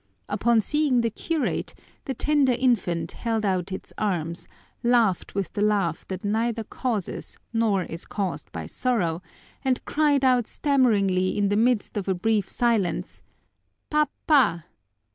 Upon seeing the curate the tender infant held out its arms, laughed with the laugh that neither causes nor is caused by sorrow, and cried out stammeringly in the midst of a brief silence, "Pa pa!